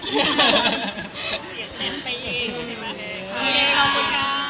ขอบคุณครับ